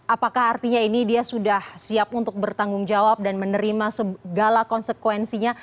apakah artinya ini dia sudah siap untuk bertanggung jawab dan menerima segala konsekuensinya